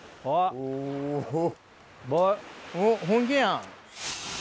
おっ本気やん。